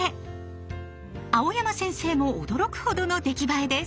蒼山先生も驚くほどの出来栄えです。